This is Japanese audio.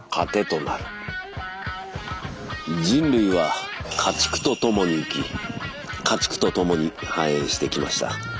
人類は家畜と共に生き家畜と共に繁栄してきました。